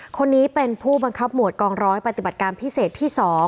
คนนี้เป็นผู้บังคับหมวดกองร้อยปฏิบัติการพิเศษที่๒